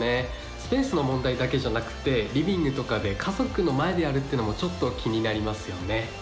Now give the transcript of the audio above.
スペースの問題だけじゃなくてリビングとかで家族の前でやるっていうのもちょっと気になりますよね。